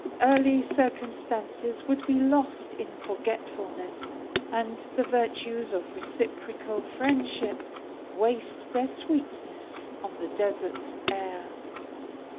Early circumstances would be lost in forgetfulness, and the virtues of reciprocal friendship "waste their sweetness on the desert air."